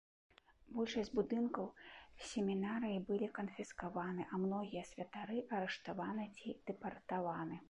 Большасць будынкаў семінарыі былі канфіскаваны, а многія святары арыштаваны ці дэпартаваны.